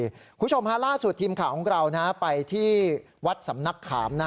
คุณผู้ชมฮะล่าสุดทีมข่าวของเราไปที่วัดสำนักขาม